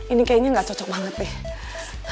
ini kayaknya gak cocok banget nih